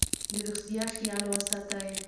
د روغتیا خیال وساته.